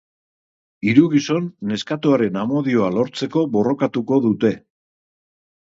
Hiru gizon neskatoaren amodioa lortzeko borrokatuko dute.